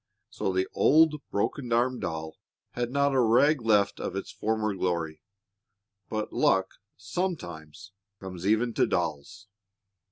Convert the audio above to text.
So the old broken armed doll had not a rag left of its former glory. But luck sometimes comes even to dolls.